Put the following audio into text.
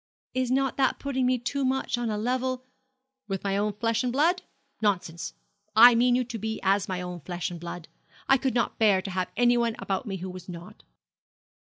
'Is not that putting me too much on a level ' 'With my own flesh and blood? Nonsense! I mean you to be as my own flesh and blood. I could not bear to have anyone about me who was not.'